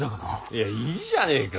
いやいいじゃねえか。